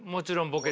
ボケ。